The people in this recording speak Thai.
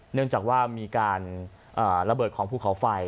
เนื่องจากว่ามีการระเบิดของภูเขาไฟ